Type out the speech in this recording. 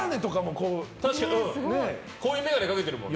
こういう眼鏡掛けてるもんね。